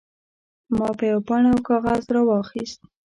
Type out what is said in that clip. ما یوه پاڼه کاغذ راواخیست.